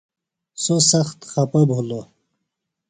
سوۡ سخت خپہ بِھلوۡ۔